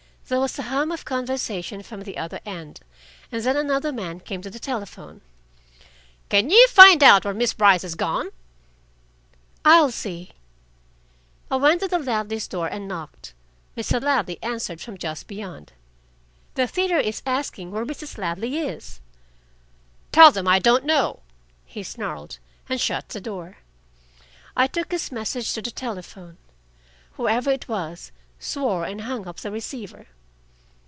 There was a hum of conversation from the other end, and then another man came to the telephone. "Can you find out where Miss Brice has gone?" "I'll see." I went to Ladley's door and knocked. Mr. Ladley answered from just beyond. "The theater is asking where Mrs. Ladley is." "Tell them I don't know," he snarled, and shut the door. I took his message to the telephone. Whoever it was swore and hung up the receiver.